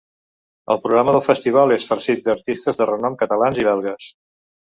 El programa del festival és farcit d’artistes de renom catalans i belgues.